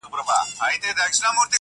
هم پند اخلمه، هم پند وايم، هر چا ته